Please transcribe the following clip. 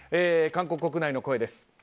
韓国国内の声です。